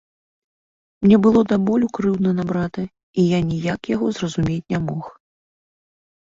Мне было да болю крыўдна на брата, і я ніяк яго зразумець не мог.